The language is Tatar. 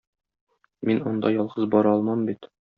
Мин анда ялгыз бара алмам бит.